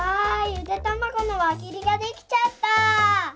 ゆでたまごのわぎりができちゃった。